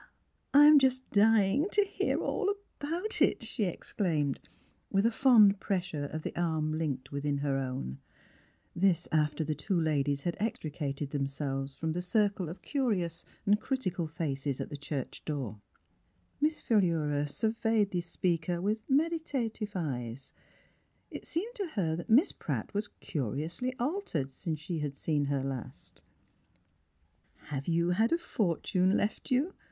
*^ I'm just dying to hear all about it!" she exclaimed, with a fond pressure of the arm linked within her own — this after the two ladies had extricated themselves from the circle of curious and critical faces at the church door. 45 The Transfiguration of Miss Philura surveyed the speaker with meditative eyes; it seemed to her that Miss Pratt was curiously altered since she had seen her last. ^^ Have you had a fortune left you?"